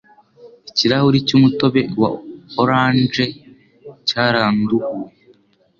Ikirahuri cy'umutobe wa orange cyaranduhuye.